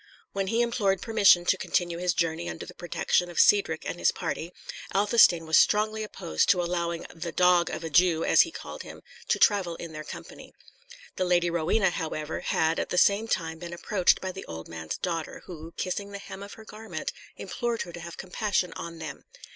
When he implored permission to continue his journey under the protection of Cedric and his party, Athelstane was strongly opposed to allowing the "dog of a Jew," as he called him, to travel in their company. The Lady Rowena, however, had at the same time been approached by the old man's daughter, who, kissing the hem of her garment, implored her to have compassion on them.